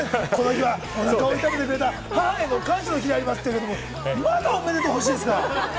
おなかを痛めてくれた母への感謝の日でありますって言ったのに、まだおめでとう欲しいんですか？